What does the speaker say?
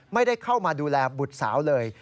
ไม่ได้เข้ามาดูแลบุตรสาวเลย